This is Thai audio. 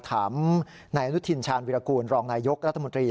ถามนายอนุทินชาญวิรากูลรองนายยกรัฐมนตรี